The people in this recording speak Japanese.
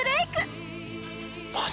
マジ？